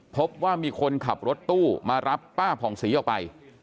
พบว่ามีคนขับรถตู้มารับป้าผ่องศรีออกไป